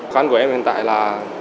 khán của em hiện tại là